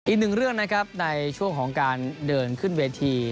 อีกหนึ่งเรื่องนะครับในช่วงของการเดินขึ้นเวที